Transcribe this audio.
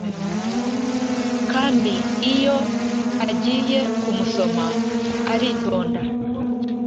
Kandi iyo agiye kumusoma aritonda